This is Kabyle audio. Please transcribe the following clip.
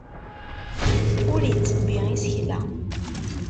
Ur ittebbi isekla.